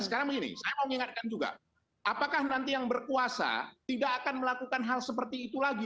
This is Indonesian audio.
sekarang begini saya mau ingatkan juga apakah nanti yang berkuasa tidak akan melakukan hal seperti itu lagi